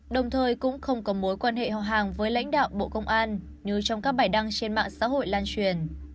đồng thời cũng không có mối quan hệ hào hàng với lãnh đạo bộ công an như trong các bài đăng trên mạng xã hội lan truyền